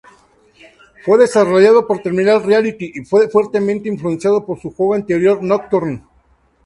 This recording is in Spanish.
Fue desarrollado por Terminal Reality y fue fuertemente influenciado por su juego anterior "Nocturne".